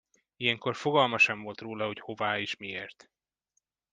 Ilyenkor fogalma sem volt róla, hogy hová és miért.